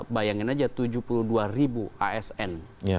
bayangin aja tujuh puluh dua ribu asn